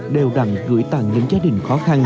đều đặng gửi tặng đến gia đình khó khăn